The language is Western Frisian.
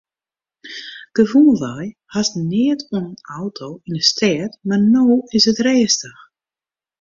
Gewoanwei hast neat oan in auto yn 'e stêd mar no is it rêstich.